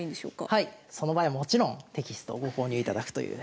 はいその場合はもちろんテキストをご購入いただくという。